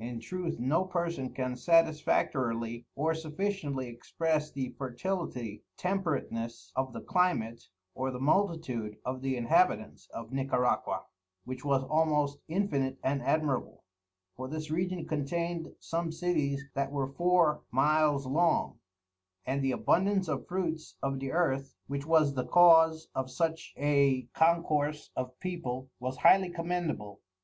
In truth no Person can satisfactorily or sufficiently express the Fertility, Temperateness of the Climate, or the Multitude of the Inhabitants of Nicaraqua, which was almost infinite and admirable; for this Region contain'd some Cities that were Four Miles long; and the abundance of Fruits of the Earth (which was the cause of such a Concourse of People) was highly commendable.